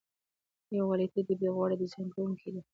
یوه غلطي د بې غوره ډیزاین کوونکو ده.